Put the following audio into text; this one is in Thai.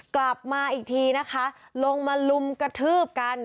กลับมาอีกทีนะคะลงมาลุมกระทืบกัน